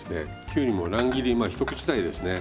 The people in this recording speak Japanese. きゅうりの乱切りまあ一口大ですね。